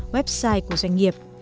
website của doanh nghiệp